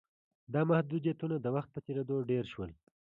دا محدودیتونه د وخت په تېرېدو ډېر شول.